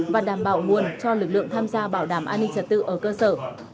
và đảm bảo nguồn cho lực lượng tham gia bảo đảm an ninh trật tự ở cơ sở